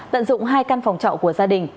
tận dụng hai căn phòng trọ của gia đình